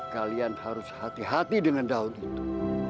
kalian harus hati hati dengan daun itu